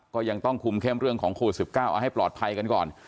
ก็ยังต้องคุมเข้มเรื่องของโควิด๑๙เอาให้ปลอดภัยกันก่อน